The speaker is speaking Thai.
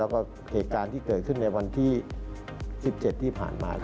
แล้วก็เหตุการณ์ที่เกิดขึ้นในวันที่๑๗ที่ผ่านมา